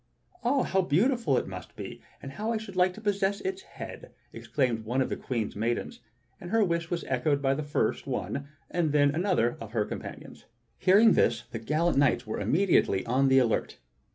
"Ah! how beautiful it must be, and how I should like to possess its head!" exclaimed one of the Queen's maidens; and her wish was echoed by first one and then another of her companions. 51 52 THE STORY OF KING ARTHUR Hearing this, the gallant knights were immediately on the alert.